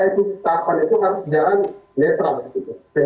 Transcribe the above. itu harus dijalankan